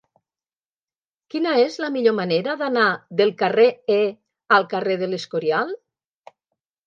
Quina és la millor manera d'anar del carrer E al carrer de l'Escorial?